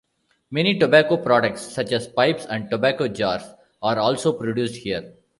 Many tobacco products such as pipes, and tobacco jars are also produced here.